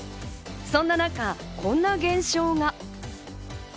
そんな中、こんな現象が。